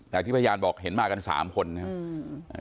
แต่ที่พยานบอกเห็นมากันสามคนนะครับ